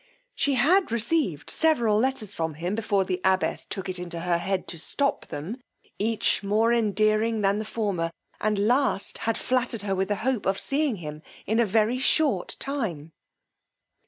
She had received several letters from him before the abbess took it in her head to stop them, each more endearing than the former; and last had flattered her with the hope of seeing him in a very short time.